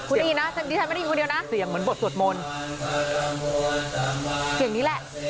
คุณได้ยินนะดิฉันไม่ได้ยินคนเดียวนะเสียงเหมือนบทสวดมนต์เสียงนี้แหละ